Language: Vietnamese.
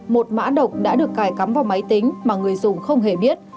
một mã độc đã được cài cắm vào máy tính mà người dùng không hề biết